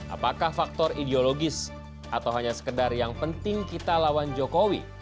apakah faktor ideologis atau hanya sekedar yang penting kita lawan jokowi